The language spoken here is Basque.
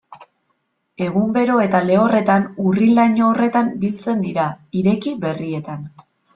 Egun bero eta lehorretan urrin-laino horretan biltzen dira, ireki berritan.